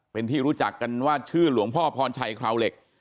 เป็นที่รู้จักกันว่าชื่อหลวงพ่อพรชัยคราวเหล็ก